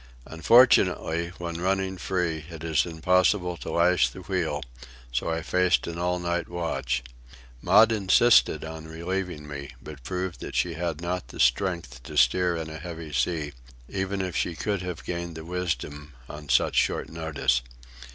Unfortunately, when running free, it is impossible to lash the wheel, so I faced an all night watch. Maud insisted on relieving me, but proved that she had not the strength to steer in a heavy sea, even if she could have gained the wisdom on such short notice.